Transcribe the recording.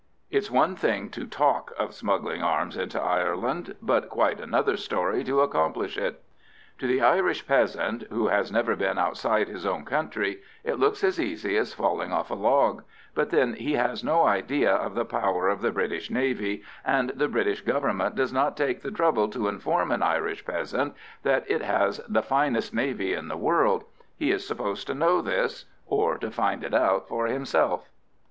It's one thing to talk of smuggling arms into Ireland, but quite another story to accomplish it. To the Irish peasant, who has never been outside his own country, it looks as easy as falling off a log; but then he has no idea of the power of the British Navy, and the British Government does not take the trouble to inform an Irish peasant that it has the finest navy in the world—he is supposed to know this, or to find it out for himself.